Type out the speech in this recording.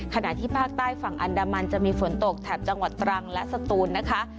ขณะที่ภาคใต้ฝั่งอันดามันจะมีฝนตกแถบจังหวัดตรังและสตูนนะคะ